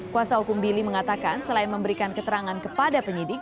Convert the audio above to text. kuasa hukum billy mengatakan selain memberikan keterangan kepada penyidik